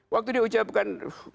waktu dia ucapkan